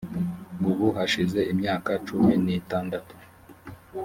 ubu hashize imyaka cumi n itandatu